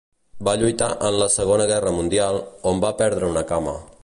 Va lluitar en la Segona Guerra Mundial, on va perdre una cama.